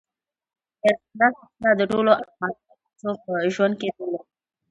دځنګل حاصلات د ټولو افغان ښځو په ژوند کې رول لري.